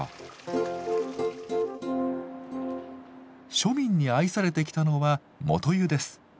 庶民に愛されてきたのは元湯です。